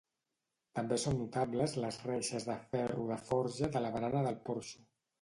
També són notables les reixes de ferro de forja de la barana del porxo.